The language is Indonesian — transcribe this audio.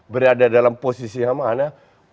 berada dalam posisi yang mana